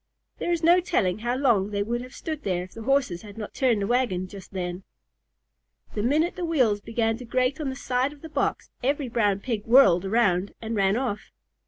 There is no telling how long they would have stood there if the Horses had not turned the wagon just then. The minute the wheels began to grate on the side of the box, every Brown Pig whirled around and ran off.